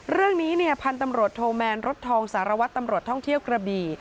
เรื่องนี้เนี่ยพันธุ์ตำรวจโทแมนรถทองสารวัตรตำรวจท่องเที่ยวกระบี่